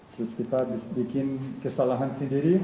terus kita bikin kesalahan sendiri